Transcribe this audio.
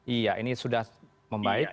iya ini sudah membaik